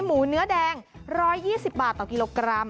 หมูเนื้อแดง๑๒๐บาทต่อกิโลกรัม